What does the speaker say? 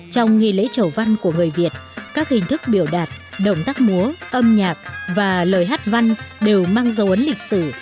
trong nghi lễ chầu văn của người việt các hình thức biểu đạt động tác múa âm nhạc và lời hát văn đều mang dấu ấn lịch sử